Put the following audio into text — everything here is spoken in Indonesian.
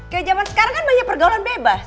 kayak zaman sekarang kan banyak pergaulan bebas